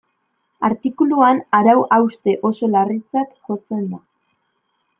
Artikuluan arau hauste oso larritzat jotzen da.